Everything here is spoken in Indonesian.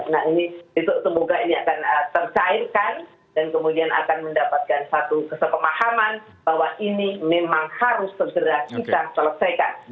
nah ini semoga ini akan tercairkan dan kemudian akan mendapatkan satu kesepemahaman bahwa ini memang harus segera kita selesaikan